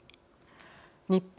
日本